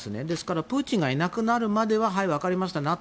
ですから、プーチンがいなくなるまでは分かりました